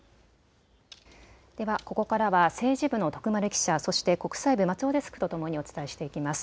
ではここからは政治部の徳丸記者、そして国際部松尾デスクとともにお伝えしていきます。